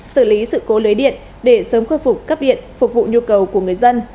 xử lý sự cố lưới điện để sớm khôi phục cấp điện phục vụ nhu cầu của người dân